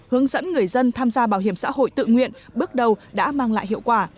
hướng dẫn người dân tham gia bảo hiểm xã hội tự nguyện bước đầu đã mang lại hiệu quả